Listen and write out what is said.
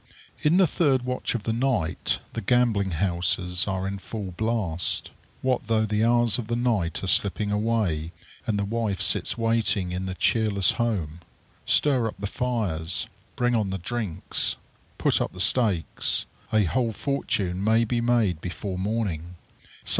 In the third watch of the night the gambling houses are in full blast. What though the hours of the night are slipping away, and the wife sits waiting in the cheerless home! Stir up the fires! Bring on the drinks! Put up the stakes! A whole fortune may be made before morning!